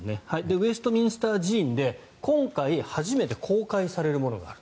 ウェストミンスター寺院で今回初めて公開されるものがある。